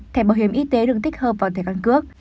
thẻ bảo hiểm y tế được tích hợp vào thẻ căn cước